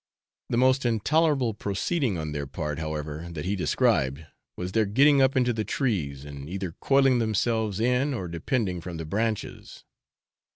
The most intolerable proceeding on their part, however, that he described, was their getting up into the trees, and either coiling themselves in or depending from the branches.